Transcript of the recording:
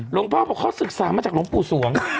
พ่อบอกเขาศึกษามาจากหลวงปู่สวง